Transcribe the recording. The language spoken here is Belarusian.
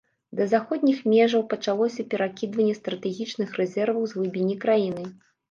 Да заходніх межаў пачалося перакідванне стратэгічных рэзерваў з глыбіні краіны.